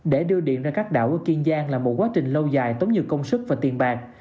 để đưa điện ra các đảo ở kiên giang là một quá trình lâu dài tốn như công sức và tiền bạc